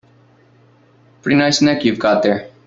Pretty nice neck you've got there.